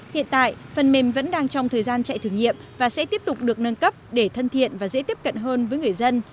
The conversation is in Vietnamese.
hiện tại phần mềm vẫn đang trong thời gian chạy thử nghiệm và sẽ tiếp tục được nâng cấp để thân thiện và dễ tiếp cận hơn với người dân